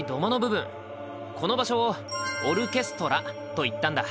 この場所を「オルケストラ」と言ったんだ。